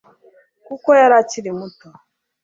kuko yari akiri muto